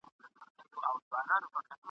سره له هغه چي خپل شعرونه ..